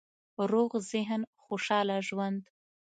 روغ ذهن، خوشحاله ژوند